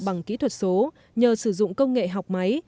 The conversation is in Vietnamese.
bằng kỹ thuật số nhờ sử dụng công nghệ học máy